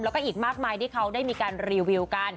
แล้วก็อีกมากมายที่เขาได้มีการรีวิวกัน